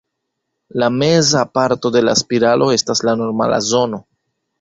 La meza parto de la spiralo estas la normala zono.